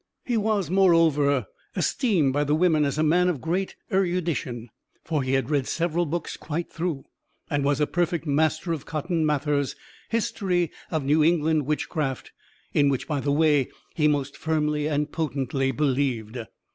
He was, moreover, esteemed by the women as a man of great erudition, for he had read several books quite through, and was a perfect master of Cotton Mather's "History of New England Witchcraft," in which, by the way, he most firmly and potently believed.